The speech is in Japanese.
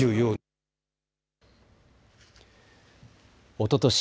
おととし